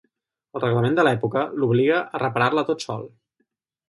El reglament de l'època l'obliga a reparar-la tot sol.